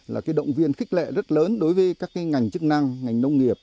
là cái động viên khích lệ rất lớn đối với các ngành chức năng ngành nông nghiệp